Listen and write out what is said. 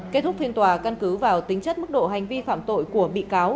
kết thúc phiên tòa căn cứ vào tính chất mức độ hành vi phạm tội của bị cáo